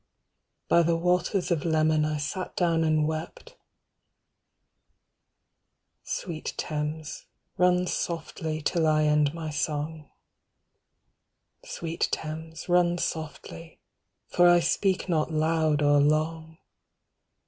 By the waters of Leman I sat down and wept ... Sweet Thames, run softly till I end my song, Sweet Thames, run softly, for I speak not loud or long.